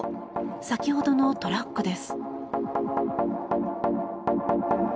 先ほどのトラックです。